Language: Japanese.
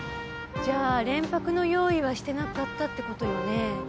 じゃあ連泊の用意はしてなかったって事よね。